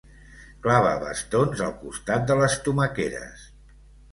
Clava bastons al costat de les tomaqueres.